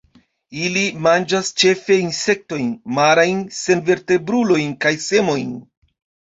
Ili manĝas ĉefe insektojn, marajn senvertebrulojn kaj semojn.